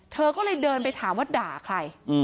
เธอก็เลยเดินไปถามว่าด่าใคร